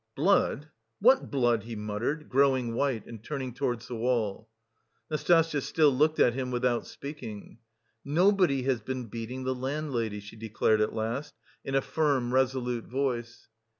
"Blood? What blood?" he muttered, growing white and turning towards the wall. Nastasya still looked at him without speaking. "Nobody has been beating the landlady," she declared at last in a firm, resolute voice.